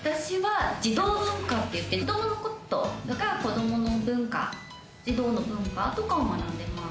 児童文化って言って、子どものこととか子どもの文化、児童の文化とかを学んでます。